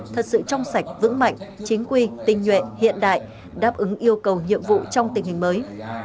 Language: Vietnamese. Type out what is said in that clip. thật sự trong sạch vững mạnh chính quy tinh nhuệ hiện đại đáp ứng yêu cầu nhiệm vụ trong tình hình mới